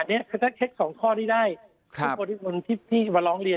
อันนี้ค่ะสองข้อได้ได้ครับถึงที่คุณกลุ่มทริปที่มารอง